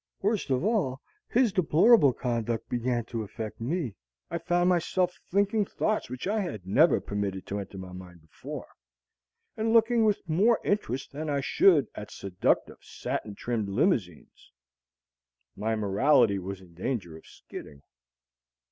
Worst of all, his deplorable conduct began to affect me. I found myself thinking thoughts which I had never permitted to enter my mind before, and looking with more interest than I should at seductive, satin trimmed limousines. My morality was in danger of skidding.